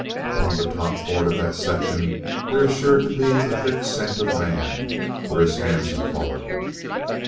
Upon the top board of that section there is sure to be thick scent of man where his hands have fallen.